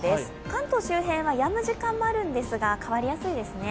関東周辺はやむ時間もあるんですが変わりやすいですね。